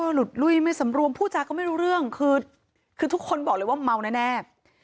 หลุดลุยไม่สำรวมพูดจาก็ไม่รู้เรื่องคือทุกคนบอกเลยว่าเมาแน่